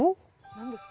何ですか？